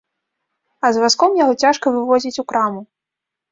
А з вазком яго цяжка вывозіць у краму.